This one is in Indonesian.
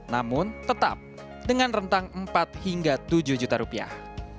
namun tetap dengan rentang empat hingga tujuh juta rupiah